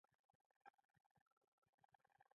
د تاسو لوبې خوښوئ؟